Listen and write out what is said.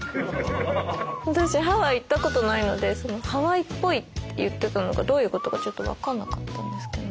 私ハワイ行ったことないのでハワイっぽいって言ってたのがどういうことかちょっと分かんなかったんですけど。